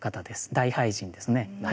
大俳人ですね。